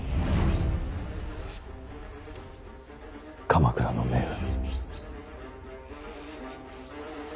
鎌倉の命運。